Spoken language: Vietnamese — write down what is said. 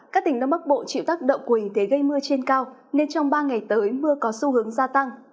các tỉnh đông bắc bộ chịu tác động của hình thế gây mưa trên cao nên trong ba ngày tới mưa có xu hướng gia tăng